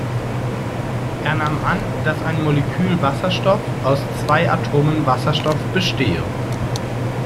Er nahm an, dass ein Molekül Wasserstoff aus zwei Atomen Wasserstoff bestehe.